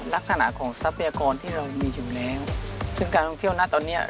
ลักษณะของทรัพยากรที่เรามีอยู่แล้วซึ่งการท่องเที่ยวนะตอนเนี้ย